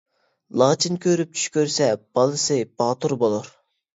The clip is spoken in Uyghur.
لاچىن كۆرۈپ چۈش كۆرسە بالىسى باتۇر بولۇر.